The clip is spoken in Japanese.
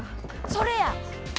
それや！